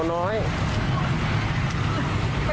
ลงน้ำฮะ